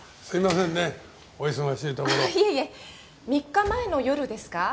３日前の夜ですか？